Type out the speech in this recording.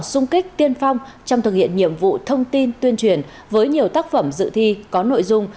sung kích tiên phong trong thực hiện nhiệm vụ thông tin tuyên truyền với nhiều tác phẩm dự thi có nội dung